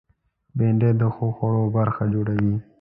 بېنډۍ د ښو خوړو برخه جوړوي